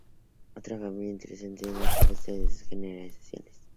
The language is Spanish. Otra familia interesante es la compuesta de y sus generalizaciones.